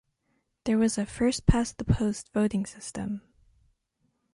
There was a first-past-the-post voting system.